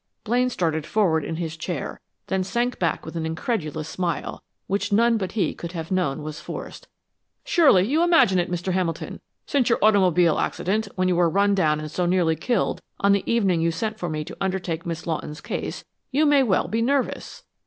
Blaine started forward in his chair, then sank back with an incredulous smile, which none but he could have known was forced. "Surely you imagine it, Mr. Hamilton. Since your automobile accident, when you were run down and so nearly killed on the evening you sent for me to undertake Miss Lawton's case, you may well be nervous."